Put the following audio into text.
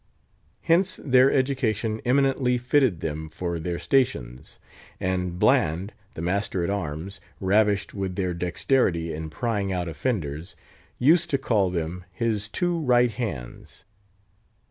Hence their education eminently fitted them for their stations; and Bland, the master at arms, ravished with their dexterity in prying out offenders, used to call them his two right hands.